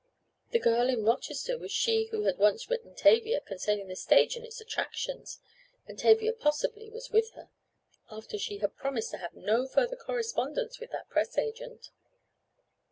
The girl in Rochester was she who had once written Tavia concerning the stage and its attractions. And Tavia possibly was with her, after she had promised to have no further correspondence with that press agent!